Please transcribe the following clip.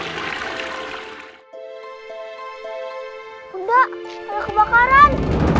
bunda ada kebakaran